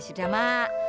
ya sudah mak